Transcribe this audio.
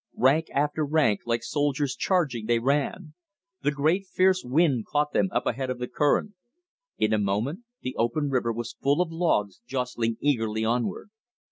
Rank after rank, like soldiers charging, they ran. The great fierce wind caught them up ahead of the current. In a moment the open river was full of logs jostling eagerly onward.